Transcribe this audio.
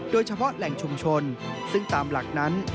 โดยเฉพาะแหล่งชุมชนซึ่งตามหลักนั้น